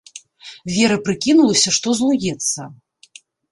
Вера прыкінулася, што злуецца.